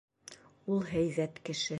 Ул һәйбәт кеше.